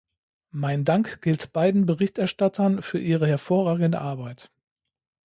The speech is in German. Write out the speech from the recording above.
Mein Dank gilt beiden Berichterstattern für ihre hervorragende Arbeit.